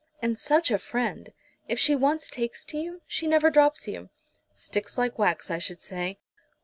"And such a friend! If she once takes to you she never drops you." "Sticks like wax, I should say."